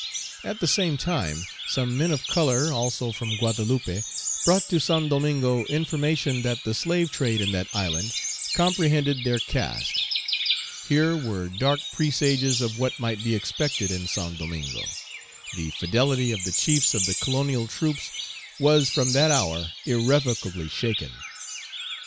At the same time, some men of color, also from Guadeloupe, brought to Saint Domingo information that the slave trade in that island comprehended their caste. Here were dark presages of what might be expected in Saint Domingo. The fidelity of the chiefs of the colonial troops was from that hour irrevocably shaken.